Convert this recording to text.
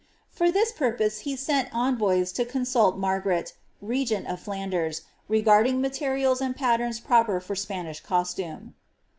For this purpose he sent envoys to consult Margaret, regent of Flanders, regarding materials and patterns proper for Spanisb costume.